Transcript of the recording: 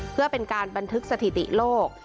เพื่อเป็นการบันทึกสถิติโลก